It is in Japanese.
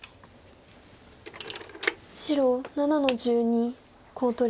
白７の十二コウ取り。